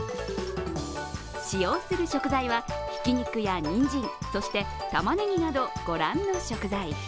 使用する食材は、ひき肉やにんじんそして玉ねぎなど、御覧の食材。